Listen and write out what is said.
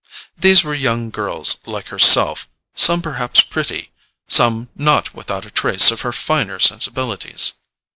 These were young girls, like herself; some perhaps pretty, some not without a trace of her finer sensibilities.